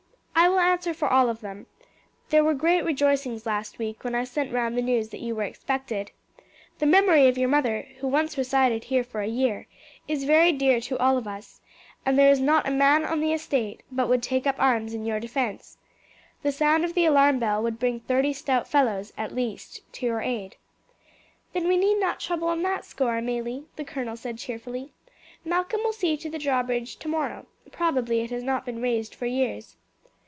I will answer for them all. There were great rejoicings last week when I sent round the news that you were expected. The memory of your mother, who once resided here for a year, is very dear to all of us, and there is not a man on the estate but would take up arms in your defence. The sound of the alarm bell would bring thirty stout fellows, at least, to your aid." "Then we need not trouble on that score, Amelie," the colonel said cheerfully. "Malcolm will see to the drawbridge tomorrow; probably it has not been raised for years."